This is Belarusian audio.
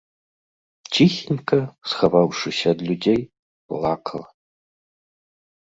Ціхенька, схаваўшыся ад людзей, плакала.